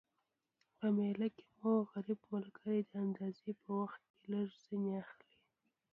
په میله کی مو غریب ملګري د انداز په وخت کي لږ ځیني اخلٸ